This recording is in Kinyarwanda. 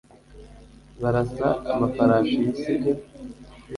barasa amafarashi sibyo